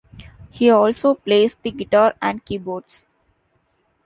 He also plays the guitar and keyboards.